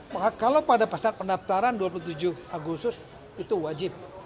maka kalau pada pasar pendaftaran dua puluh tujuh agustus itu wajib